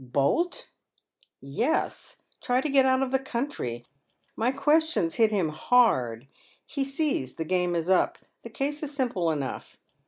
"Bolt?" " Yes. Try to get out of the country. My questions hit hira hard. He sees the game is up. The case is simple enough.